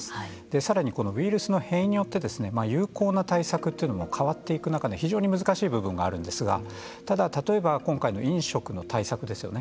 さらにこのウイルスの変異によって有効な対策というのも変わっていく中で非常に難しい部分があるんですがただ、例えば今回の飲食の対策ですよね